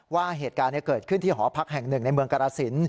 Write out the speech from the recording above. ว่าเหตุการณ์เกิดขึ้นที่หอพักแห่งหนึ่งในเมืองกรสิน